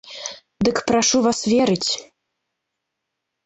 Дык прашу вас верыць.